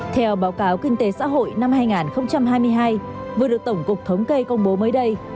theo báo cáo kinh tế xã hội năm hai nghìn hai mươi hai vừa được tổng cục thống kê công bố mới đây